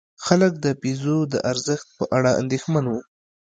خلک د پیزو د ارزښت په اړه اندېښمن وو.